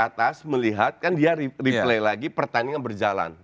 atas melihat kan dia replay lagi pertandingan berjalan